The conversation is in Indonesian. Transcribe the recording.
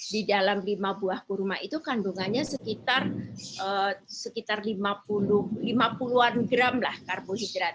dalam lima buah kurma itu kandungannya sekitar lima puluh gram karbohidrat